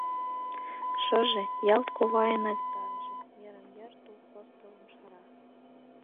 Шыже — ялт ковайын агытанже, йырым-йыр тул пыстылым шара.